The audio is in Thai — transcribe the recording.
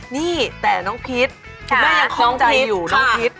นี่แต่น้องพิษคุณแม่ยังคล้องใจอยู่น้องพิษ